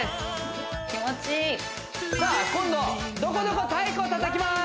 さあ今度どこどこ太鼓を叩きます